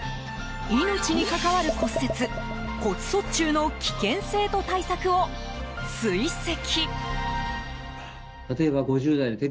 命に関わる骨折、骨卒中の危険性と対策を追跡。